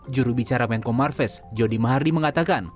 jurubicara menko marves jody mahardi mengatakan